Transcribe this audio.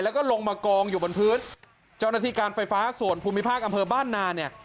แล้วก็ลงมากองอยู่บนพื้นเจ้าหน้าที่การไฟฟ้าส่วนภูมิภาคอำเภอบ้านนาเนี่ย